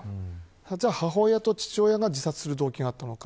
母親と父親が自殺する動機があったのか。